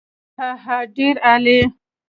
هاهاها ډېر عالي.